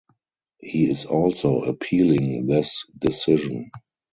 He is also appealing this decision.